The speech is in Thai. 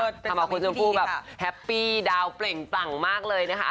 ทำเอาคุณชมพู่แบบแฮปปี้ดาวเปล่งปลั่งมากเลยนะคะ